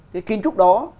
cái kiến trúc đó